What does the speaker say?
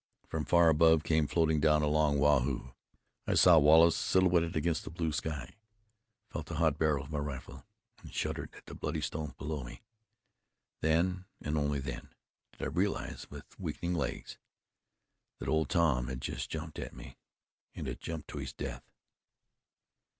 From far above came floating down a long "Waa hoo!" I saw Wallace silhouetted against the blue sky. I felt the hot barrel of my rifle, and shuddered at the bloody stones below me then, and then only, did I realize, with weakening legs, that Old Tom had jumped at me, and had jumped to his death.